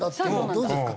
どうですか？